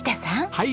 はい。